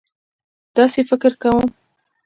داسې فکر کوم.